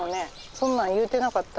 そんなん言うてなかった？